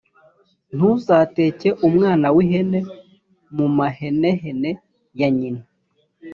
ntuzateke umwana w’ihene mu mahenehene ya nyina.